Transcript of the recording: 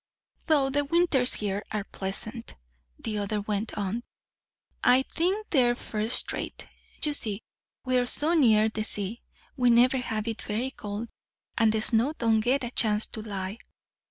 "Though the winters here are pleasant," the other went on. "I think they're first rate. You see, we're so near the sea, we never have it very cold; and the snow don't get a chance to lie.